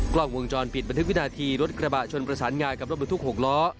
กล้องวงจรปิดบันทึกวินาทีรถกระบะชนประสานงานกับรถบรรทุก๖ล้อ